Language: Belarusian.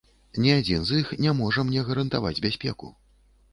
Ні адзін з іх не можа мне гарантаваць бяспеку.